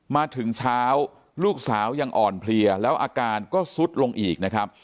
มาถึงเช้าลูกสาวยังอ่อนเพลียแล้วอาการก็ซุดลงอีกนะครับ